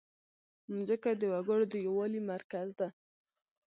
مځکه د وګړو د یووالي مرکز ده.